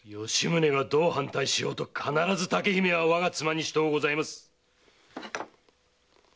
吉宗がどう反対しようと必ず竹姫は我が妻にします。